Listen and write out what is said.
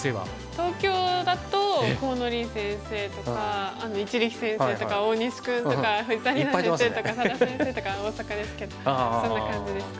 東京だと河野臨先生とか一力先生とか大西君とか藤沢里菜先生とか佐田先生とか大阪ですけどそんな感じですかね。